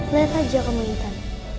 lihat aja kamu intan